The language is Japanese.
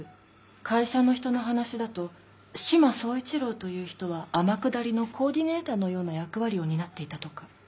会社の人の話だと志摩総一郎という人は天下りのコーディネーターのような役割を担っていたとか。